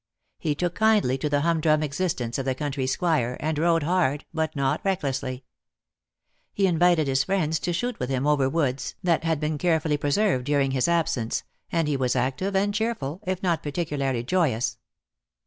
He took kindly to the humdrum existence of the country squire, and rode hard, but not recklessly. He invited his friends to shoot with him over woods that had 19* 292 DEAD LOVE HAS CHAINS. been carefully preserved during his absence, and he was active and cheerful, if not particularly joyous.